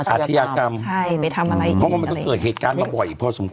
อาชญากรรมใช่ไปทำอะไรอีกเพราะว่ามันก็เกิดเหตุการณ์มาบ่อยพอสมค